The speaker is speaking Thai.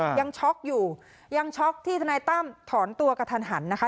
ช็อกอยู่ยังช็อกที่ทนายตั้มถอนตัวกระทันหันนะคะ